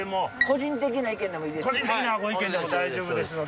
個人的な意見でもいいです。